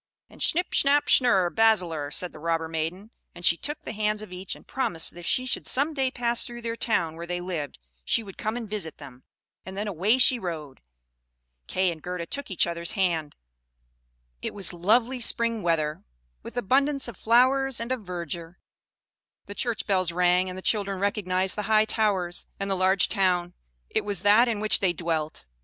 And "Schnipp schnapp schnurre basselurre," said the robber maiden; and she took the hands of each, and promised that if she should some day pass through the town where they lived, she would come and visit them; and then away she rode. Kay and Gerda took each other's hand: it was lovely spring weather, with abundance of flowers and of verdure. The church bells rang, and the children recognised the high towers, and the large town; it was that in which they dwelt.